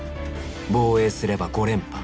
防衛すれば５連覇。